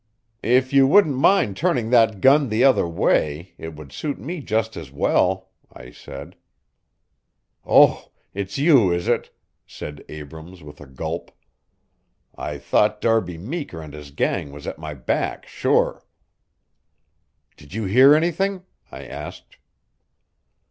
"If you wouldn't mind turning that gun the other way, it would suit me just as well," I said. "Oh, it's you, is it?" said Abrams with a gulp. "I thought Darby Meeker and his gang was at my back, sure." "Did you hear anything?" I asked.